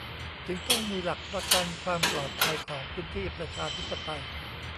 จึงต้องมีหลักประกันความปลอดภัยของพื้นที่ประชาธิปไตย